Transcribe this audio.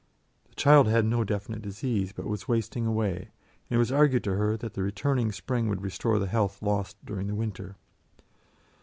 The child had no definite disease, but was wasting away, and it was argued to her that the returning spring would restore the health lost during the winter.